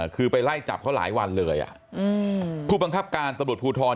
คือไปไล่จับเขาหลายวันเลยผู้บังคับการสมุทรภูทร